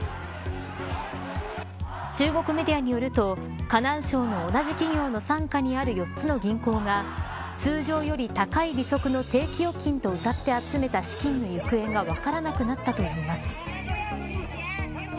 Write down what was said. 中国メディアによると河南省の同じ企業の傘下にある４つの銀行が通常より高い利息の定期預金とうたって集めた資金の行方が分からなくなったといいます。